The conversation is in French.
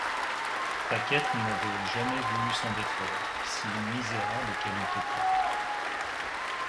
Paquette n’avait jamais voulu s’en défaire, si misérable qu’elle eût été.